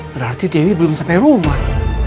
berarti dewi belum sampai rumah